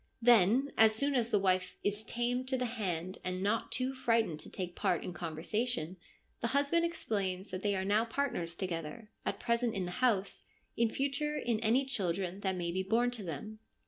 Then, as soon as the wife ' is tamed to the hand, and not too frightened to take part in con versation,' the husband explains that they are now partners together, at present in the house, in future in any children that may be born to them.